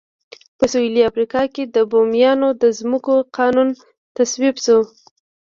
په سوېلي افریقا کې د بومیانو د ځمکو قانون تصویب شو.